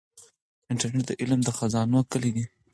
انټرنیټ د علم د خزانو کلي ده.